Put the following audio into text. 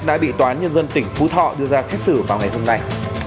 đã bị toán nhân dân tỉnh phú thọ đưa ra xét xử vào ngày hôm nay